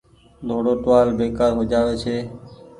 ۮوڙو ٽوهآل بيڪآر هو جآ وي ڇي۔